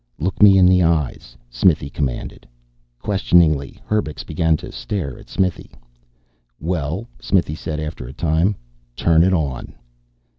"Look me in the eyes," Smithy commanded. Questioningly, Herbux began to stare at Smithy. "Well," Smithy said, after a time, "turn it on."